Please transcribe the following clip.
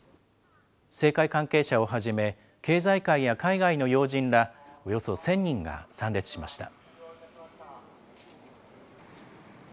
政界関係者をはじめ、経済界や海外の要人ら、およそ１０００人が参列しました。